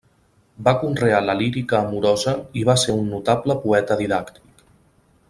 Va conrear la lírica amorosa i va ser un notable poeta didàctic.